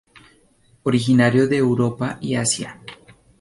Originario de Europa y Asia.